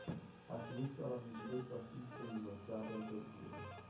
A sinistra la principessa assiste inginocchiata in preghiera.